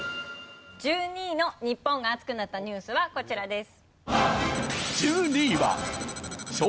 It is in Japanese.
１２位の日本が熱くなったニュースはこちらです。